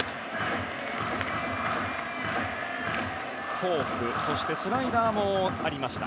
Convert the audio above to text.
フォークスライダーもありました。